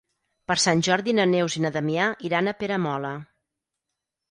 Per Sant Jordi na Neus i na Damià iran a Peramola.